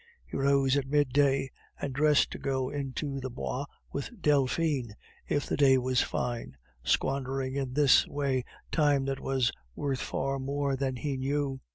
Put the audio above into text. He rose at mid day, and dressed to go into the Bois with Delphine if the day was fine, squandering in this way time that was worth far more than he knew.